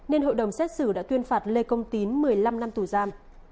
nên hội đồng xét xử đã tuyên phạt lê công tín một mươi năm năm tù giam